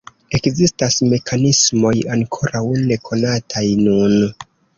Ekzistas mekanismoj ankoraŭ nekonataj nun.